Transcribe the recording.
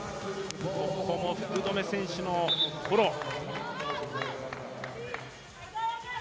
ここも福留選手のフォロー。